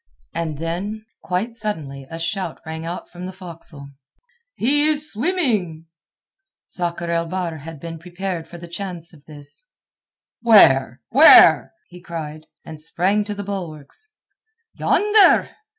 And then, quite suddenly a shout rang out from the forecastle. "He is swimming!" Sakr el Bahr had been prepared for the chance of this. "Where? Where?" he cried, and sprang to the bulwarks. "Yonder!"